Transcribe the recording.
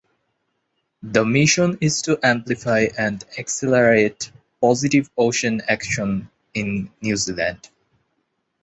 The mission is to amplify and accelerate positive ocean action in New Zealand.